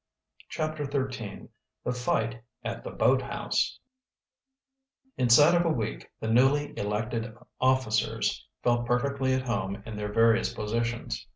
CHAPTER XIII THE FIGHT AT THE BOATHOUSE Inside of a week the newly elected officers felt perfectly at home in their various positions.